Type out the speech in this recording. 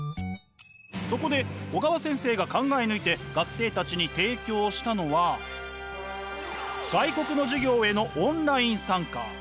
そこで小川先生が考え抜いて学生たちに提供したのは外国の授業へのオンライン参加。